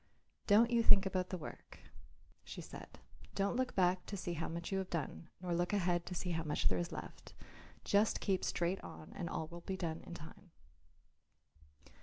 "Don't you think about the work," she said, "don't look back to see how much you have done, nor look ahead to see how much there is left. Just keep straight on and all will be done in time."